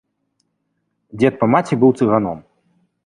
Дзед па маці быў цыганом.